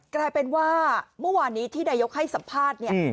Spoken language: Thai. กลายเป็นว่าเมื่อวานนี้ที่นายกให้สัมภาษณ์เนี่ย